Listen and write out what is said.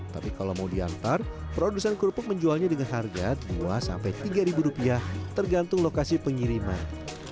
tapi kalau mau diantar produsen kerupuk menjualnya dengan harga rp dua rp tiga tergantung lokasi pengiriman